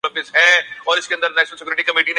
تاہم کہانی نے واقعتا اپنے تمام امکانات کی کھوج نہیں کی